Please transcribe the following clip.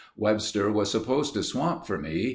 Webster was supposed to swamp for me.